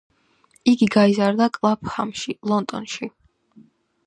იგი გაიზარდა კლაფჰამში, ლონდონში.